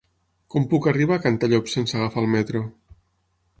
Com puc arribar a Cantallops sense agafar el metro?